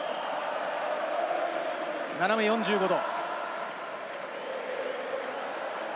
斜め４５度。